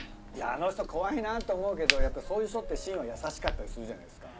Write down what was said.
あの人怖いなって思うけどやっぱそういう人って芯は優しかったりするじゃないすか。